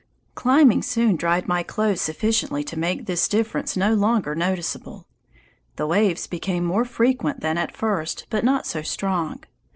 Climbing soon dried my clothes sufficiently to make this difference no longer noticeable. The waves became more frequent than at first, but not so strong.